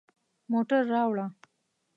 موټر راوړه